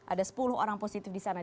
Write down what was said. ada sepuluh orang positif di sana